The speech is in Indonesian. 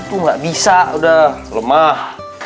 lu tuh gak bisa udah lemah